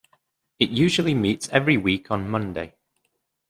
It usually meets every week on Monday.